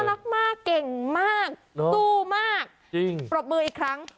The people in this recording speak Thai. รักมากเก่งมากสู้มากจริงปรบมืออีกครั้ง